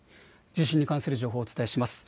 地震に関する情報をお伝えします。